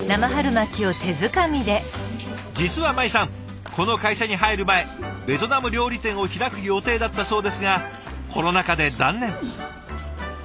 実は舞さんこの会社に入る前ベトナム料理店を開く予定だったそうですがコロナ禍で断念。